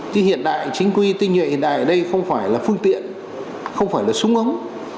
chứ hiện đại chính quy tinh nhuệ hiện đại ở đây không phải là phương tiện không phải là súng ống